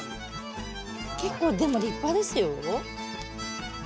結構でも立派ですよ。